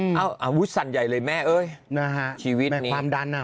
อืมอ้าวอาวุฒร์สั่นใหญ่เลยแม่เอ้ยนะฮะชีวิตนี้แม่ความดันอ่ะ